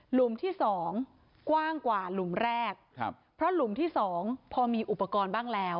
หุมที่สองกว้างกว่าหลุมแรกครับเพราะหลุมที่สองพอมีอุปกรณ์บ้างแล้ว